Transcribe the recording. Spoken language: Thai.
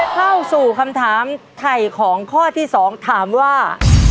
เข้าสู่คำถามไถ่ของข้อที่๒ถามว่า